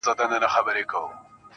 زما اشنا خبري پټي ساتي.